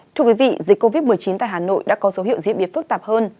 thưa quý vị dịch covid một mươi chín tại hà nội đã có dấu hiệu diễn biến phức tạp hơn